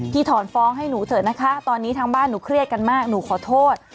ถอนฟ้องให้หนูเถอะนะคะตอนนี้ทางบ้านหนูเครียดกันมากหนูขอโทษ